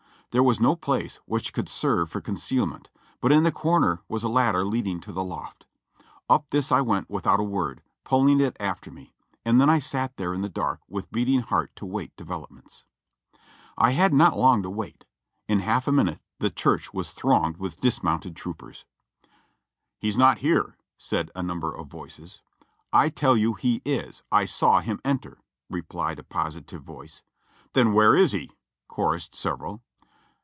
There was no place which could serve for concealment; but in the corner was a ladder leading to the loft. Up this I went without a word, pulling it after me ; and then I sat there in the dark with beating heart to wait developments. I had not long to wait. In half a minute the church was thronged with the dismounted troopers. "He's not here," said a number of voices. "I tell you he is, for I saw him enter," replied a positive voice. "Then where is he?" chorused several.